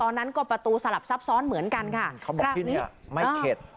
นั้นก็ประตูสลับซับซ้อนเหมือนกันค่ะเขาบอกทีนี้ไม่เข็ด